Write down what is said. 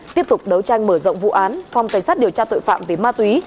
tiếp tục đấu tranh mở rộng vụ án phòng cảnh sát điều tra tội phạm về ma túy